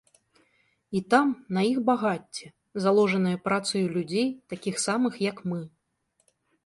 І там на іх багацце, заложанае працаю людзей, такіх самых, як мы.